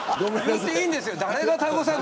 言っていいんですよ。